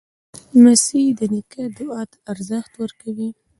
لمسی د نیکه دعا ته ارزښت ورکوي.